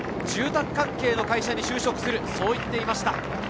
住宅関係の会社に就職すると言っていました。